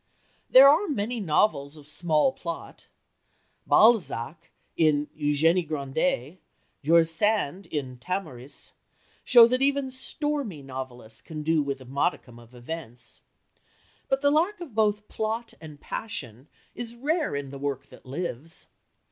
There are many novels of small plot. Balzac, in Eugénie Grandet, George Sand, in Tamaris, show what even "stormy" novelists can do with a modicum of events. But the lack of both plot and passion is rare in the work that lives.